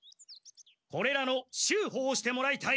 これらの修補をしてもらいたい。